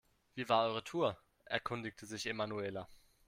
Wie war eure Tour?, erkundigte sich Emanuela.